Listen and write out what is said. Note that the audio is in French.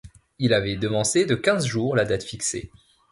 Il avait devancé de quinze jours la date fixée.